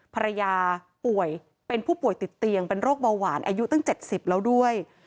ภรรยาป่วยเป็นผู้ป่วยติดเตียงเป็นโรคเบาหวานอายุตั้ง๗๐แล้วด้วย